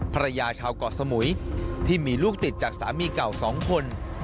ภรรยาชาวเกาะสมุยที่มีลูกติดจากสามีเก่า๒คน